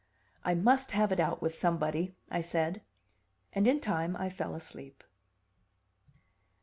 "I must have it out with somebody," I said. And in time I fell asleep.